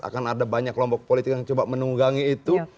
akan ada banyak kelompok politik yang coba menunggangi itu